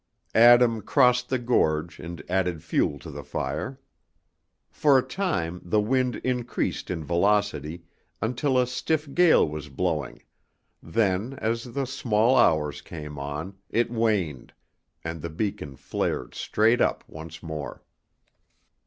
Adam crossed the gorge and added fuel to the fire. For a time the wind increased in velocity until a stiff gale was blowing, then, as the small hours came on, it waned, and the beacon flared straight up once more.